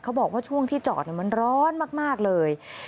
บอกว่าช่วงที่จอดมันร้อนมากเลย